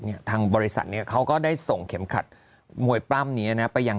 ทางบริษัทเนี่ยเขาก็ได้ส่งเข็มขัดมวยปล้ำนี้นะไปยัง